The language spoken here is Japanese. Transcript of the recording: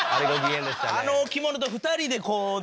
あの置物と２人でこうね